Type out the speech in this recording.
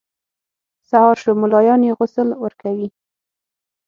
سهار شو ملایان یې غسل ورکوي.